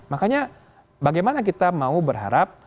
makanya bagaimana kita mau berharap